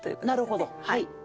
なるほどはい。